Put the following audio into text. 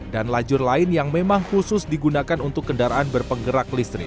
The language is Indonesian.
dan lajur lain yang memang khusus digunakan untuk kendaraan berpenggerak listrik